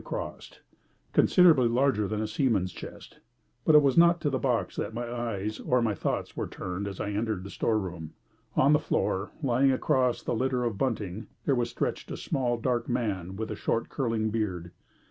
across considerably larger than a seaman's chest. But it was not to the box that my eyes or my thoughts were turned as I entered the store room. On the floor, lying across the litter of bunting, there was stretched a small, dark man with a short, curling beard.